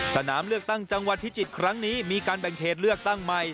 สนามเลือกตั้งจังหวัดพิจิตรครั้งนี้มีการแบ่งเขตเลือกตั้งใหม่